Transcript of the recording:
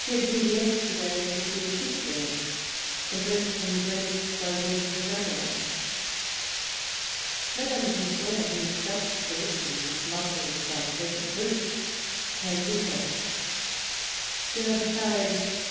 She had been yesterday to see a ship launched, and went from Greenwich by water to Ranelagh. Madame Dusson, who is Dutch built, and whose muscles are pleasure proof, came with her ; there are besides.